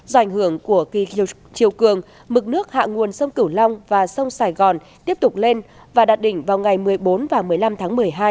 do ảnh hưởng của kỳ chiều cường mực nước hạ nguồn sông cửu long và sông sài gòn tiếp tục lên và đạt đỉnh vào ngày một mươi bốn và một mươi năm tháng một mươi hai